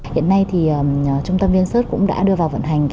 hiện nay thì trung tâm viên sớt cũng đã đưa vào vận hành